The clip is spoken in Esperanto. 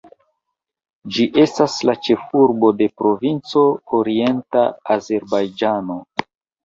Ĝi estas la ĉefurbo de provinco Orienta Azerbajĝano.